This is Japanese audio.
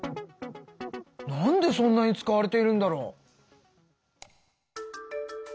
なんでそんなに使われているんだろう？